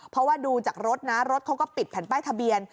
เพราะว่าดูจากรถนะรถเขาก็ปิดแผ่นป้ายทะเบียน